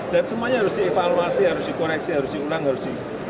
dan semuanya harus dievaluasi harus dikoreksi harus diulang harus di